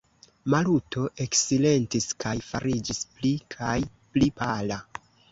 Maluto eksilentis kaj fariĝis pli kaj pli pala.